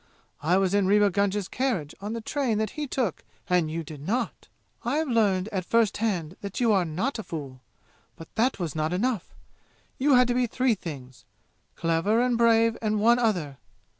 I was in Rewa Gunga's carriage on the train that he took and you did not! I have learned at first hand that you are not a fool. But that was not enough! You had to be three things clever and brave and one other.